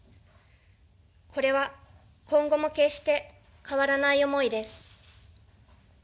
これは、今後も決して変わらない思いです。